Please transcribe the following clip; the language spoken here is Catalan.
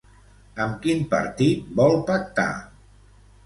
Amb quin partit vol pactar?